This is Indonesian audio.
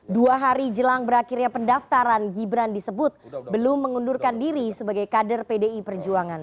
dua hari jelang berakhirnya pendaftaran gibran disebut belum mengundurkan diri sebagai kader pdi perjuangan